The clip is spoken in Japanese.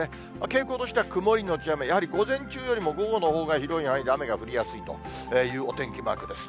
傾向としては曇り後雨、やはり午前中よりも午後のほうが広い範囲で雨が降りやすいというお天気マークです。